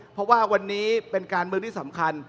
เพราะว่าวันนี้เป็นการเมืองที่สำคัญ